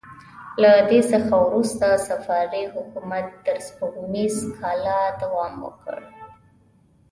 له دې څخه وروسته صفاري حکومت تر سپوږمیز کاله دوام وکړ.